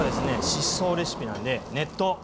疾走レシピなんで熱湯。